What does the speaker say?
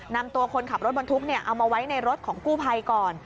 นำตัวคนขับรถบรรทุกเอามาไว้ในรถของกู้ภัยก่อน